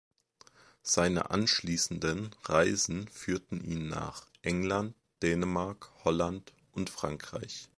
Seine anschließenden Reisen führten ihn nach England, Dänemark, Holland und Frankreich.